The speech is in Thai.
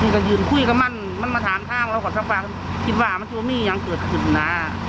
พี่ก็ยืนคุยกับมันมันมาถามช่างแล้วกว่าทั้งบางอีกบ้างมันชอบนี้ยังเกิดขึ้นน่ะ